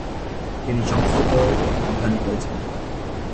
তিনি সংস্কৃতও অধ্যয়ন করেছেন।